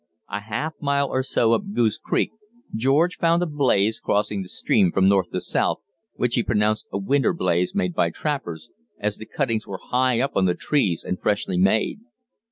A half mile or so up Goose Creek George found a blaze crossing the stream from north to south, which he pronounced a winter blaze made by trappers, as the cuttings were high up on the trees and freshly made.